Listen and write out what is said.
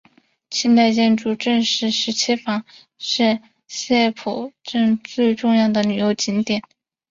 清代建筑郑氏十七房是澥浦镇最重要的旅游景点。